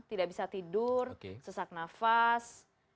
tidak bisa tidur sesak nafas